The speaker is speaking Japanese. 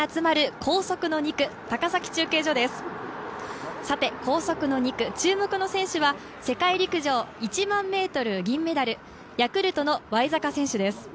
高速の２区、注目の選手は世界陸上１００００ｍ銀メダルヤクルトのワイザカ選手です。